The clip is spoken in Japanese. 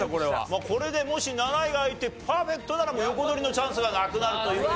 まあこれでもし７位が開いてパーフェクトならもう横取りのチャンスがなくなるという意味ではね。